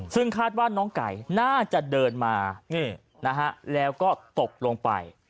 ซึ่งคาดว่าน้องไก่น่าจะเดินมาแล้วก็ตกลงไป